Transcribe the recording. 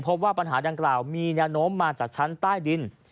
พบว่าปัญหาดังกล่าวมีแนวโน้มมาจากชั้นใต้ดิน